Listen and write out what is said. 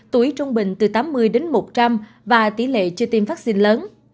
tuổi trung bình từ tám mươi đến một trăm linh và tỷ lệ chưa tiêm vaccine lớn